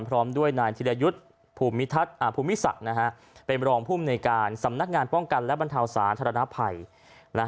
พร้อมด้วยนายธิรยุทธ์ภูมิศักดิ์เป็นรองภูมิในการสำนักงานป้องกันและบรรเทาสาธารณภัย